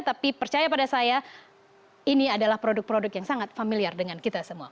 tapi percaya pada saya ini adalah produk produk yang sangat familiar dengan kita semua